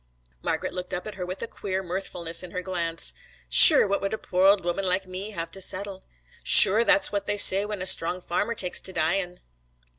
Margret looked up at her with a queer mirthfulness in her glance. 'Sure what wud a poor ould woman like me have to settle? Sure that's what they say when a sthrong farmer takes to dyin'.'